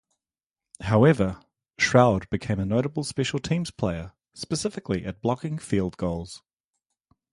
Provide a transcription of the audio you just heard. However, Stroud became a notable special teams player - specifically at blocking field goals.